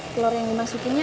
telur yang dimasukinnya